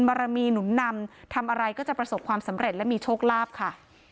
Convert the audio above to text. บารมีหนุนนำทำอะไรก็จะประสบความสำเร็จและมีโชคลาภค่ะ